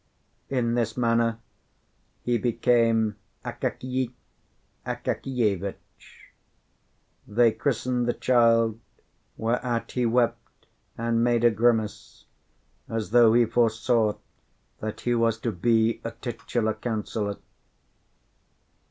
In this manner he became Akakiy Akakievitch. They christened the child, whereat he wept and made a grimace, as though he foresaw that he was to be a titular councillor.